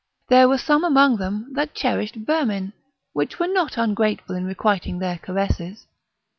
There were some amongst them that cherished vermin, which were not ungrateful in requiting their caresses.